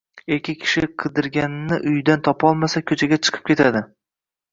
Erkak kishi qidirganini uyidan topolmasa, ko‘chaga chiqib ketadi.